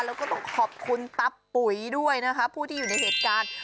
แล้วก็ต้องขอบคุณตับปุ๋ยด้วยนะคะผู้ที่อยู่ในเหตุการณ์